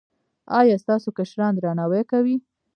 ایا ستاسو کشران درناوی کوي؟